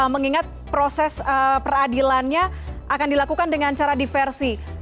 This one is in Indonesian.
mengingat proses peradilannya akan dilakukan dengan cara diversi